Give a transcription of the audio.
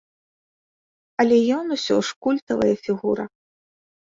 Але ён усё ж культавая фігура.